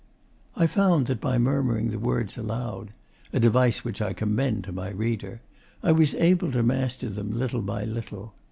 I found that by murmuring the words aloud (a device which I commend to my reader) I was able to master them, little by little.